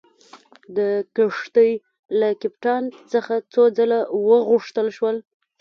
د کښتۍ له کپټان څخه څو ځله وغوښتل شول.